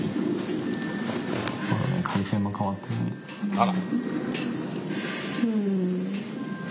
あら。